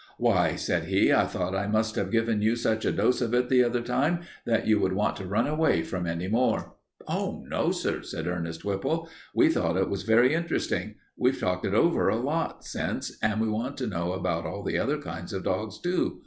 "Why," said he, "I thought I must have given you such a dose of it the other time that you would want to run away from any more." "Oh, no, sir," said Ernest Whipple. "We thought it was very interesting. We've talked it over a lot since, and we want to know about all the other kinds of dogs, too.